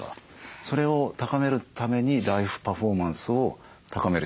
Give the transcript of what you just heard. それを高めるためにライフパフォーマンスを高める必要があると。